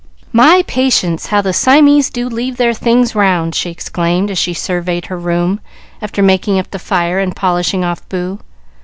"My patience! how the Siamese do leave their things round," she exclaimed, as she surveyed her room after making up the fire and polishing off Boo.